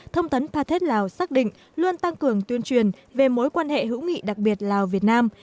thông tấn path lào xác định luôn tăng cường tuyên truyền về mối quan hệ hữu nghị đặc biệt lào việt nam